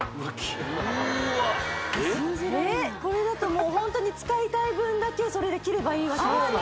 うわっ信じられないこれだともうホントに使いたい分だけそれで切ればいいわけですもんね